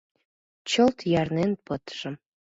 Чылт ярнен пытышым.